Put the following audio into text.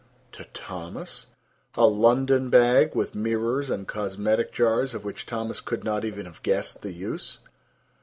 To Thomas! A London bag with mirrors and cosmetic jars of which Thomas could not even have guessed the use!